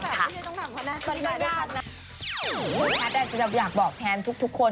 แท็ตจะอยากบอกแทนทุกคน